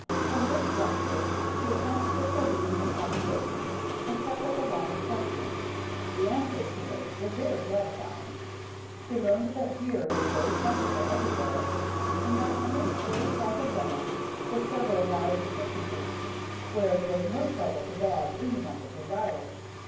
From this juncture, he at once took the lead in the conversation, and kept up a line of questions, the answers to which were very gratifying. He learned that deer were very plentiful everywhere, and that on this very tract of land were several wild turkey roosts, where it was no trouble to bag any number desired.